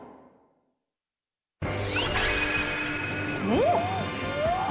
うん！